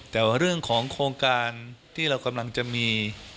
แต่ว่าเรื่องของโครงการที่เรากำลังจะมี